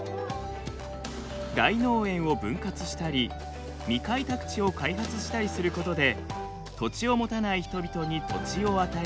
大農園を分割したり未開拓地を開発したりすることで土地を持たない人々に土地を与える農地改革が進められたのです。